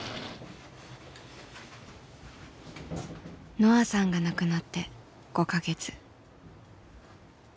のあさんが亡くなって５か月。